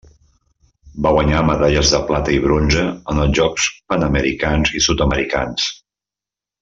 Va guanyar medalles de plata i bronze en Jocs Panamericans i Sud-americans.